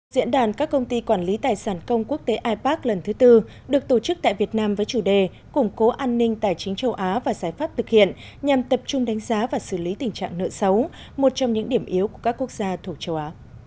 diễn đàn các công ty quản lý tài sản công quốc tế ipak lần thứ tư được tổ chức tại việt nam với chủ đề củng cố an ninh tài chính châu á và giải pháp thực hiện nhằm tập trung đánh giá và xử lý tình trạng nợ xấu một trong những điểm yếu của các quốc gia thuộc châu á